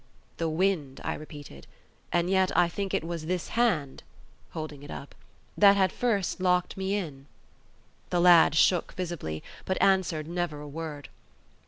"The wind," I repeated; "and yet I think it was this hand," holding it up, "that had first locked me in." The lad shook visibly, but answered never a word.